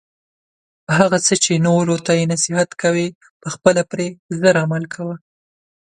په هغه څه چې نورو ته یی نصیحت کوي خپله پری زر عمل کوه